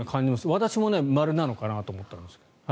私も○なのかなと思ったんです。